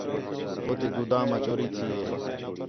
ہُو تے گُدام آ چوری تھی ہِے